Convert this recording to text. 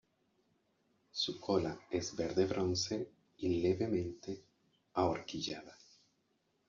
Su cola es verde-bronce y levemente ahorquillada.